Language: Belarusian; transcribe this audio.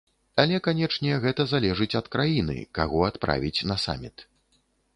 Але канечне, гэта залежыць ад краіны, каго адправіць на саміт.